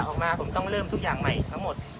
ออกมาผมต้องเริ่มทุกอย่างใหม่ทั้งหมด